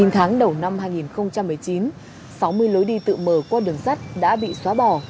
chín tháng đầu năm hai nghìn một mươi chín sáu mươi lối đi tự mở qua đường sắt đã bị xóa bỏ